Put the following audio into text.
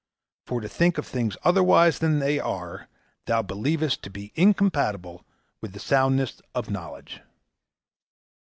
For to think of things otherwise than as they are, thou believest to be incompatible with the soundness of knowledge.